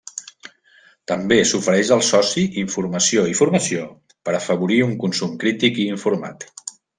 També s’ofereix al soci informació i formació per a afavorir un consum crític i informat.